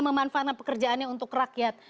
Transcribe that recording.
memanfaatkan pekerjaannya untuk rakyat